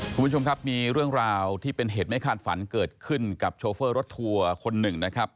คุณผู้ชมครับมีเรื่องราวที่เป็นเหตุไม่คาดฝันเกิดขึ้นกับโชเฟอร์รถทัวร์คนหนึ่งนะครับ